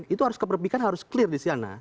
itu harus kepribikan harus clear disana